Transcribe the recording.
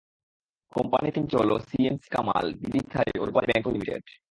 Company তিনটি হলো CMC Kamal, BD Thai ও রূপালী ব্যাংক লিমিটেড।